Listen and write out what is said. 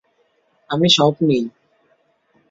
আমি সব নিই।